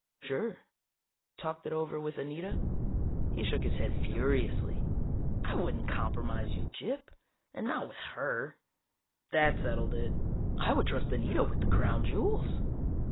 "Sure." "Talked it over with Anita?" He shook his head furiously. "I wouldn't compromise you, Gyp, and not with her!" That settled it. I would trust Anita with the crown jewels.